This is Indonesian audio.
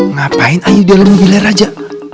ngapain ayu di dalam mobilnya raja